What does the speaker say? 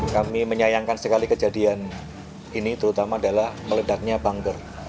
kami menyayangkan sekali kejadian ini terutama adalah meledaknya bunker